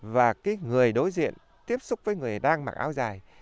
và cái người đối diện tiếp xúc với người đang mặc áo dài